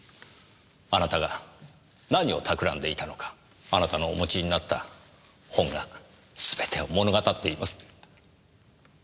あなたが何をたくらんでいたのかあなたのお持ちになった本がすべてを物語っています。